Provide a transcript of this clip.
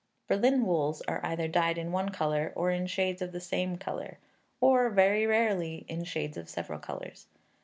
Berlin wools are either dyed in one colour, or in shades of the same colour, or (very rarely) in shades of several colours.